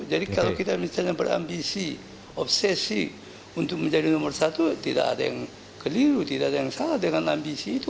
jadi kalau kita misalnya berambisi obsesi untuk menjadi nomor satu tidak ada yang keliru tidak ada yang salah dengan ambisi itu